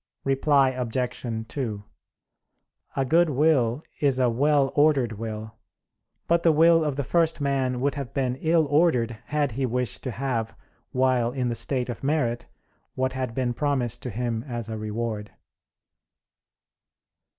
Reply Obj. 2: A good will is a well ordered will; but the will of the first man would have been ill ordered had he wished to have, while in the state of merit, what had been promised to him as a reward.